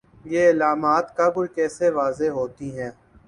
یہ علامات کب اور کیسے واضح ہوتی ہیں